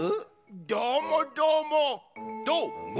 どーもどーもどーも！